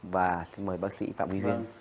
và xin mời bác sĩ phạm huy huyên